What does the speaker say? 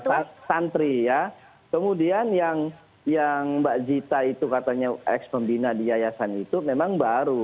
ada santri ya kemudian yang mbak zita itu katanya ex pembina di yayasan itu memang baru